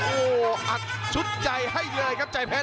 โอ้โหอัดชุดใจให้เลยครับใจเพชร